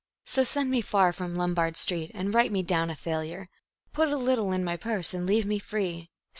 So send me far from Lombard Street, and write me down a failure; Put a little in my purse and leave me free.